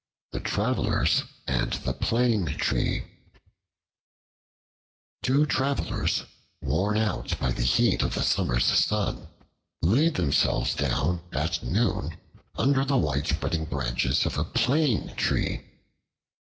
The Travelers and the Plane Tree TWO TRAVELERS, worn out by the heat of the summer's sun, laid themselves down at noon under the widespreading branches of a Plane Tree.